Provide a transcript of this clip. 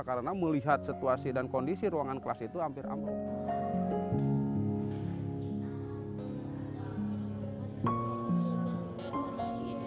karena melihat situasi dan kondisi ruangan kelas itu hampir amat buruk